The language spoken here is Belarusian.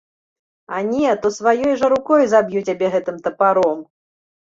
А не, то сваёй жа рукой заб'ю цябе гэтым тапаром!